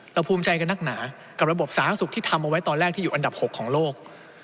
ภูมิใจกับนักหนากับระบบสาธารณสุขที่ทำเอาไว้ตอนแรกที่อยู่อันดับ๖ของโลก